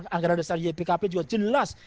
anggaran dasar ypkp juga jelas